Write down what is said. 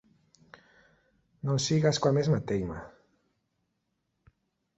Non sigas coa mesma teima